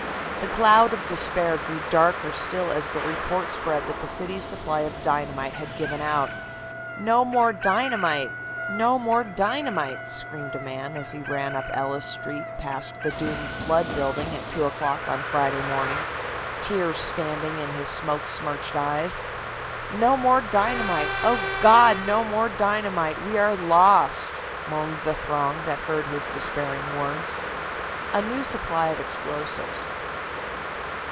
The cloud of despair grew darker still as the report spread that the city's supply of dynamite had given out. "No more dynamite! No more dynamite!" screamed a fireman as he ran up Ellis Street past the doomed Flood building at two o'clock on Friday morning, tears standing in his smoke smirched eyes. "No more dynamite! O God! no more dynamite! We are lost!" moaned the throng that heard his despairing words. A NEW SUPPLY OF EXPLOSIVES.